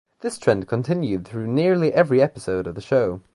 This trend continued through nearly every episode of the show.